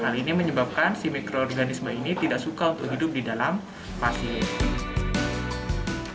hal ini menyebabkan si mikroorganisme ini tidak suka untuk hidup di dalam pasir